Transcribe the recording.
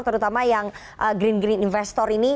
terutama yang green green investor ini